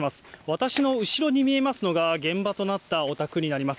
私の後ろに見えますのが、現場となったお宅になります。